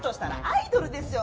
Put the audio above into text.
アイドル！